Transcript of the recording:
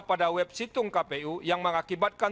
pada web situng kpu yang mengakibatkan